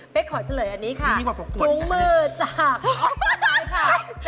เป็นขอเฉลยอันนี้ค่ะถุงมือจากต้นไม้ค่ะ